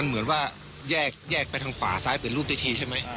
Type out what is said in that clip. มันเหมือนว่าแยกด้านฝาซ้ายเป็นรูปไอ้ทีใช่ไหม